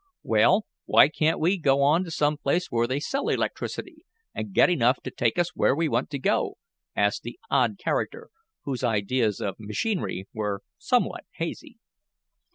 "Well, why can't we go on to some place where they sell electricity, and get enough to take us where we want to go?" asked the odd character, whose ideas of machinery were somewhat hazy.